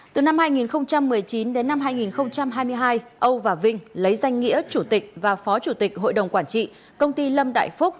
từ năm hai nghìn một mươi chín đến năm hai nghìn hai mươi hai âu và vinh lấy danh nghĩa chủ tịch và phó chủ tịch hội đồng quản trị công ty lâm đại phúc